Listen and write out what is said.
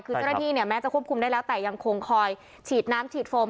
คือเจ้าหน้าที่เนี่ยแม้จะควบคุมได้แล้วแต่ยังคงคอยฉีดน้ำฉีดโฟม